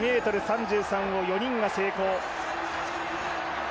２ｍ３３を４人が成功。